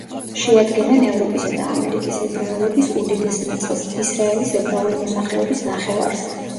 შეადგენენ ევროპისა და ამერიკის ებრაელობის უდიდეს ნაწილს, ისრაელის ებრაული მოსახლეობის ნახევარს.